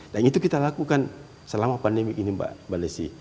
dan itu kita lakukan selama pandemi ini mbak desi